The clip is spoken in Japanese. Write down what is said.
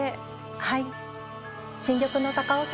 はい。